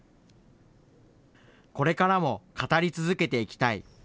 これからも語り続けていきたい。